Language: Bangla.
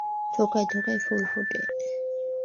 থোকায় থোকায় ফুল ফোটে।